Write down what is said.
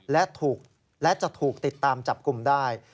และจะถูกติดตามจับกลุ่มได้